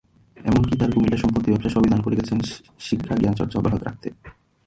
এমনকি তাঁর কুমিল্লার সম্পত্তি, ব্যবসা—সবই দান করে গেছেন শিক্ষাজ্ঞানচর্চা অব্যাহত রাখতে।